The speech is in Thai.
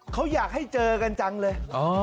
เขาอยากให้เจอกันจังเลย